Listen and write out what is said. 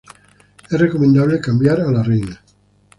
Es recomendable cambiar a la reina.